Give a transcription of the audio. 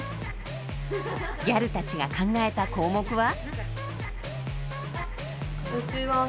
ギャルたちが考えた項目は？